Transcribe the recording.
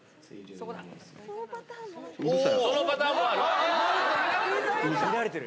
そのパターンもある。